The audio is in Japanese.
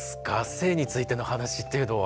性についての話っていうのは。